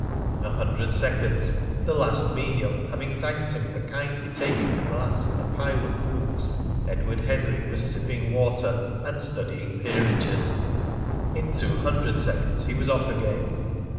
In a hundred seconds, the last menial having thanked him for kindly taking the glass and the pile of books, Edward Henry was sipping water and studying peerages. In two hundred seconds he was off again.